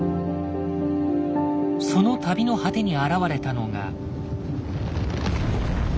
その旅の果てに現れたのが。